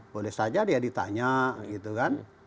boleh saja dia ditanya gitu kan